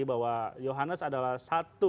bahwa johannes adalah satu